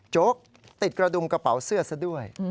โจ๊กติดกระดุมกระเป๋าเสื้อซะด้วย